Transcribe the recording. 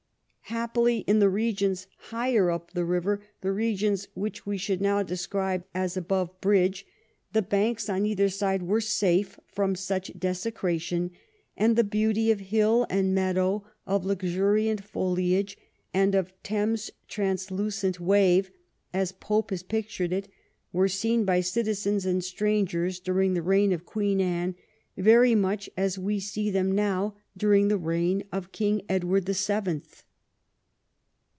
Happily, in the regions higher up the river, the regions which we should now describe as above bridge, the banks on either side were safe from such desecra tion, and the beauty of hill and meadow, of luxuriant foliage, and of " Thames' translucent wave," as Pope has pictured it, were seen by citizens and strangers during the reign of Queen Anne very much as we see them now during the reign of King Edward the Seventh.